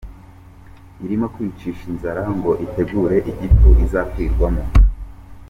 Irimo kwiyicisha inzara ngo itegure igifu uzakwirwamo.